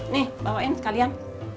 nih bawain sekalian